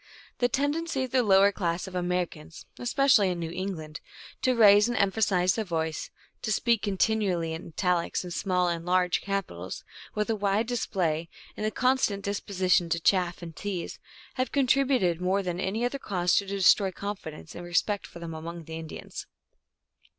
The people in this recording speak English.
The tendency of the lower class of Amer icans, especially in New England, to raise and empha size the voice, to speak continually in italics and small and large capitals, with a wide display, and the con stant disposition to chaff and tease, have contributed more than any other cause to destroy confidence and respect for them among the Indians.